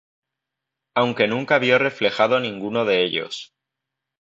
Aunque nunca vio reflejado ninguno de ellos.